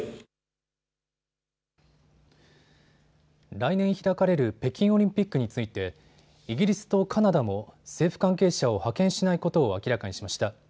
来年開かれる北京オリンピックについてイギリスとカナダも政府関係者を派遣しないことを明らかにしました。